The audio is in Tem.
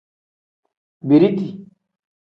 Biriti.